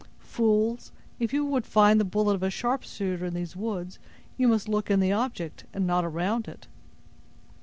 "Fools, if you would find the bullet of a sharpshooter in these woods, you must look in the object, and not around it!"